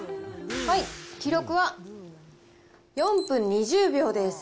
記録は４分２０秒です。